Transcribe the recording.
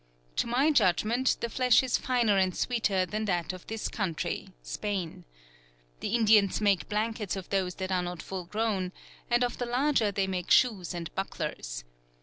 To my judgment the flesh is finer and sweeter than that of this country [Spain]. The Indians make blankets of those that are not full grown, and of the larger they make shoes and bucklers.